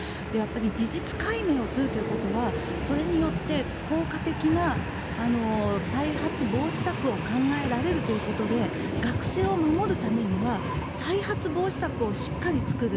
事実解明をするということはそれによって効果的な再発防止策を考えられるということで学生を守るためには再発防止策をしっかり作る。